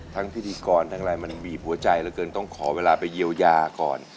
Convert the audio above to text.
พิธีกรทั้งอะไรมันบีบหัวใจเหลือเกินต้องขอเวลาไปเยียวยาก่อน